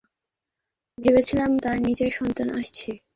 ভেবেছিলাম তার নিজের সন্তান আসছে, সে আমার সন্তানদের একা রেখে যাবে।